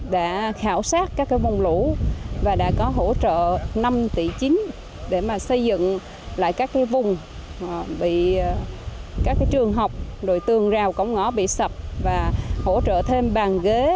đã khảo sát các vùng lũ và đã có hỗ trợ năm tỷ chín để mà xây dựng lại các vùng bị các trường học đội tường rào cổng ngõ bị sập và hỗ trợ thêm bàn ghế